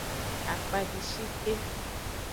Akpavishike.